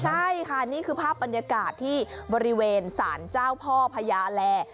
ใช่ค่ะนี่คือภาพบรรยากาศที่บริเวณสารเจ้าพ่อพญาแล